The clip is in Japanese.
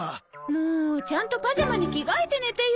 もうちゃんとパジャマに着替えて寝てよ。